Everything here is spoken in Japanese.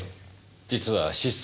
実は失踪